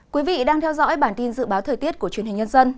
quý vị đang theo dõi bản tin dự báo thời tiết của truyền hình nhân dân